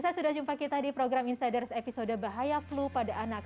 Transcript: pemirsa sudah jumpa kita di program insiders episode bahaya flu pada anak